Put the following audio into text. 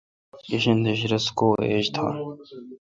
گیشیدس رس کو ایج تان۔